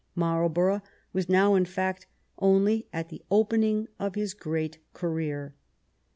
Marlbor ough was now, in fact, only at the opening of his great career.